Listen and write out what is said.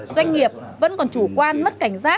doanh nghiệp vẫn còn chủ quan mất cảnh giác